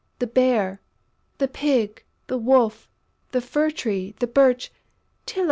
The Bear!... The Pig! The Wolf! The Fir tree! The Beech!... Tylô!